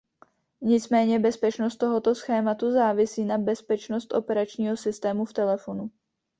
Nicméně bezpečnost tohoto schématu závisí na bezpečnost operačního systému v telefonu.